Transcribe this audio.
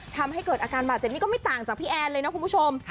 ทำให้เกิดอาการบาดเจ็บนี้ก็ไม่ต่างจากพี่แอนเลยนะคุณผู้ชม